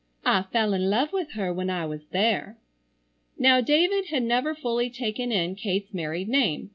I fell in love with her when I was there." Now David had never fully taken in Kate's married name.